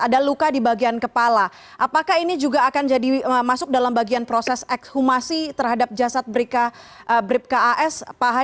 ada luka di bagian kepala apakah ini juga akan jadi masuk dalam bagian proses ekshumasi terhadap jasad bribka as pak